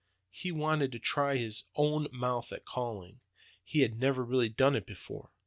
He wanted to try his own mouth at 'calling.' He had never really done it before.